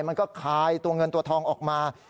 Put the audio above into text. มันก็คายตัวเงินตัวทองออกมา